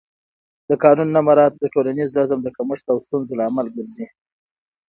د قانون نه مراعت د ټولنیز نظم د کمښت او ستونزو لامل ګرځي